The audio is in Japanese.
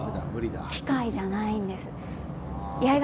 機械ではないんです。